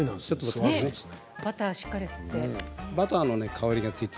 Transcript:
バターをしっかり吸って。